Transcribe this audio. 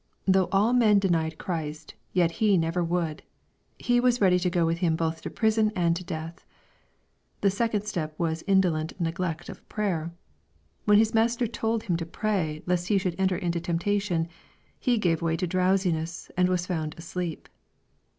Though all men denied Christ, yet he never would I He was ready to go with Him both to prison and to death 1 — The second step was indolent^ negl^t of prayer. When his Master told him to pray, lest he should enter into temp tation, he gave way to drowsiness^ and was found asleep.